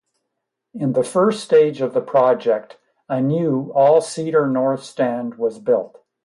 In the first stage of the project, a new all-seater North Stand was built.